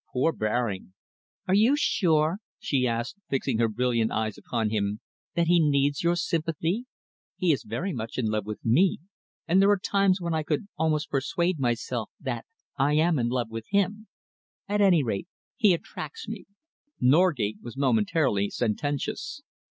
"Poor Baring!" "Are you sure," she asked, fixing her brilliant eyes upon him, "that he needs your sympathy? He is very much in love with me, and there are times when I could almost persuade myself that I am in love with him. At any rate, he attracts me." Norgate was momentarily sententious.